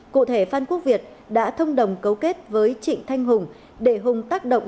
cụ thể phan quốc việt đã thông đồng cấu kết với trịnh thanh hùng để hùng tác động